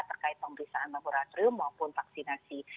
terkait pemeriksaan laboratorium maupun vaksinasi